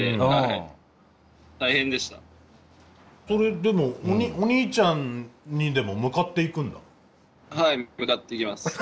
それでもお兄ちゃんにでも向かっていくんだ。